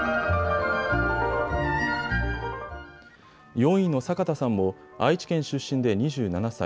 ４位の阪田さんも、愛知県出身で２７歳。